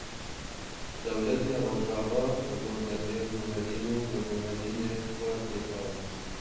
Dewletên rojava li gor demê, guherîn û veguherînên xwe pêk anîn